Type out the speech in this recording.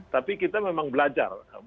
tapi kita memang belajar